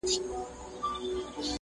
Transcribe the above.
له کابله تر بنګاله یې وطن وو،